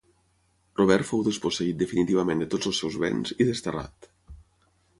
Robert fou desposseït definitivament de tots els seus béns i desterrat.